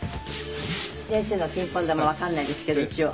先生のピンポン球わかんないですけど一応。